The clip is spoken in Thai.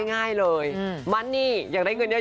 ง่ายเลยมันนี่อยากได้เงินเยอะ